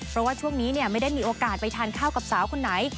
เพราะว่าช่วงนี้ไม่ได้มีโอกาสไปทานข้าวกับสาวคนไหน